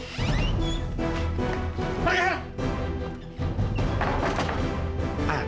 pergi ke sana